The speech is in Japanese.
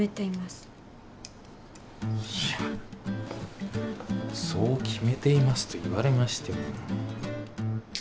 いやそう決めていますと言われましても。